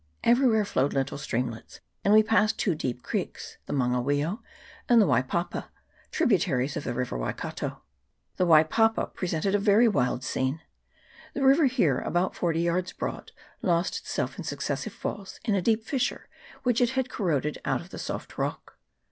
Everywhere flowed little streamlets, and we passed two deep creeks, the Maunga Wio and the Wai papa, tributaries of the river Waikato. The Wai CHAP. XXIII.] OF THE DISTRICT. 325 papa presented a very wild scene. The river, here about forty yards broad, lost itself in successive falls in a deep fissure which it had corroded out of the soft rock.